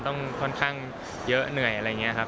ก็สุขคือวันนี้สิ